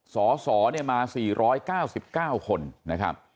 สสมา๔๙๙คน